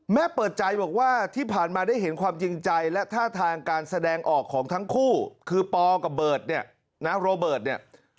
เปิดใจบอกว่าที่ผ่านมาได้เห็นความจริงใจและท่าทางการแสดงออกของทั้งคู่คือปอกับเบิร์ตเนี่ยนะโรเบิร์ตเนี่ย